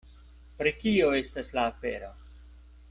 Pri kio estas la afero?